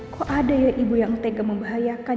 kok ada ya ibu yang tega membahayakan